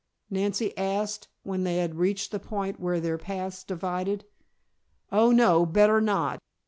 Nancy asked, when they had reached the point where their paths divided. "Oh, no, better not.